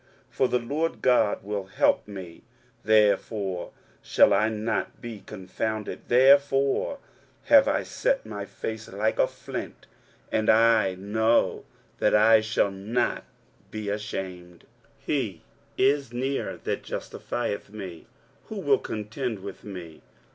23:050:007 For the Lord GOD will help me; therefore shall I not be confounded: therefore have I set my face like a flint, and I know that I shall not be ashamed. 23:050:008 He is near that justifieth me; who will contend with me?